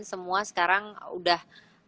semua sekarang udah